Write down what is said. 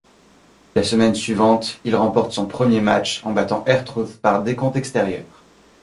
La semaine suivante, il remporte son premier match en battant R-Truth par décompte extérieur.